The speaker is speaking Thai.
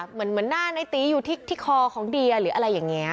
เหมือนหน้าในตีอยู่ที่คอของเดียหรืออะไรอย่างนี้